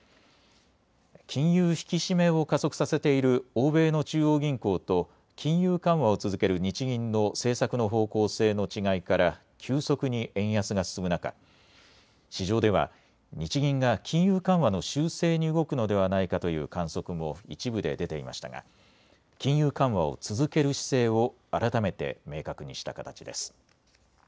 金融引き締めを加速させている欧米の中央銀行と金融緩和を続ける日銀の政策の方向性の違いから急速に円安が進む中、市場では日銀が金融緩和の修正に動くのではないかという観測も一部で出ていましたが金融緩和を続ける姿勢を改めて明確にした形です。